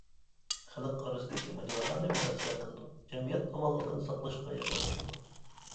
خەلق ئارىسىدىكى ماجىرالارنى مۇرەسسە قىلىدۇ، جەمئىيەت ئامانلىقىنى ساقلاشقا ياردەملىشىدۇ.